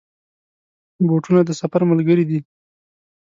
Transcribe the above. بوټونه د سفر ملګري دي.